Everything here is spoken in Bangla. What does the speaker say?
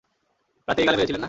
রাতে এই গালে মেরেছিলেন না!